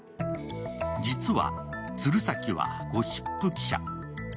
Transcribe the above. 実は鶴崎はゴシップ記者。